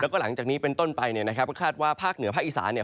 แล้วก็หลังจากนี้เป็นต้นไปเนี่ยนะครับก็คาดว่าภาคเหนือภาคอีสานเนี่ย